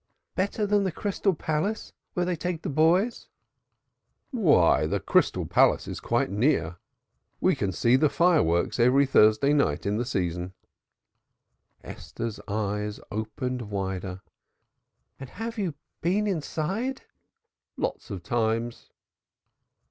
"Better than the Crystal Palace, where they take the boys?" "Why, the Crystal Palace is quite near. We can see the fire works every Thursday night in the season." Esther's eyes opened wider. "And have you been inside?" "Lots of times."